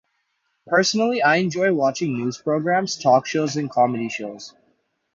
Personally, I enjoy watching news programs, talk shows, and comedy shows.